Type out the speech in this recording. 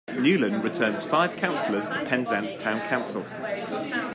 Newlyn returns five councillors to Penzance Town Council.